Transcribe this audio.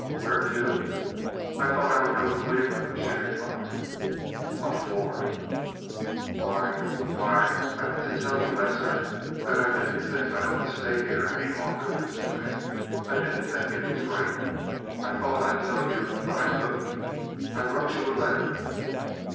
"Where to?" "I thought I would go to Cleveland," she replied. "What for?" "Why—why—I meant to tell you, Lester, that I didn't think I ought to stay here any longer this way. I didn't think it was right. I thought I'd tell you, but I couldn't. I wrote you a letter."